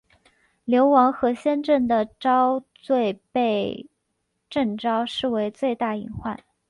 流亡河仙镇的昭最被郑昭视为最大隐患。